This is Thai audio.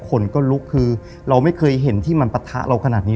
คนก็ลุกคือเราไม่เคยเห็นที่มันปะทะเราขนาดนี้